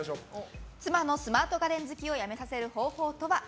妻のスマート家電好きをやめさせる方法とは？